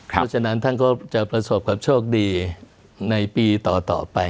เพราะฉะนั้นท่านก็จะประสบความโชคดีในปีต่อไป